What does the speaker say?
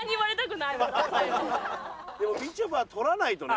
でもみちょぱは取らないとね。